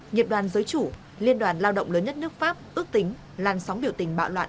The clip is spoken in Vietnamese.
nghiệp đoàn giới chủ liên đoàn lao động lớn nhất nước pháp ước tính làn sóng biểu tình bạo loạn